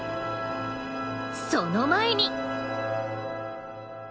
その前に。